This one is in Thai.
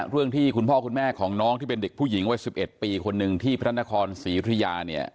ที่คุณพ่อคุณแม่ของน้องที่เป็นเด็กผู้หญิงวัย๑๑ปีคนหนึ่งที่พระนครศรีอุทยาเนี่ย